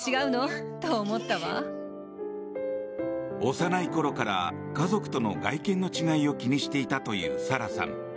幼いころから家族との外見の違いを気にしていたというサラさん。